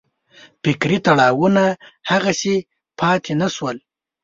فکري تړاوونه هغسې پاتې نه شول.